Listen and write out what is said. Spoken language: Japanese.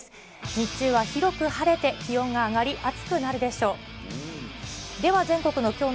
日中は広く晴れて、気温が上がり、暑くなるでしょう。